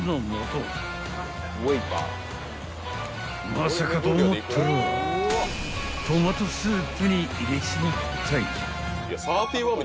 ［まさかと思ったらトマトスープに入れちまったい］